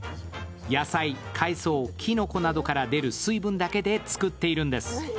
野菜・海藻・きのこなどから出る水分だけで作っているんです。